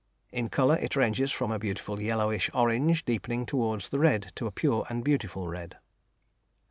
In colour it ranges from a beautiful yellowish orange deepening towards the red to a pure and beautiful red.